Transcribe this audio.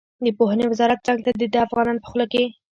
د پوهنې وزارت څنګ ته د ده افغانان په خوله کې.